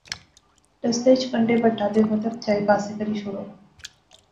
رستے اچ کنڈے بٹا دیخو تے چائی پاسے کری شوڑو